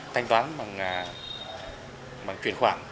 thanh toán bằng chuyển khoản